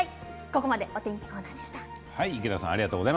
ここまでお天気コーナーでした。